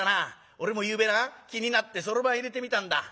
俺もゆうべな気になってそろばんいれてみたんだ。